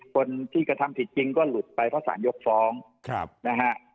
คนที่กระทำผิดจริงก็หลุดไปเพราะสารยกฟ้องนะฮะ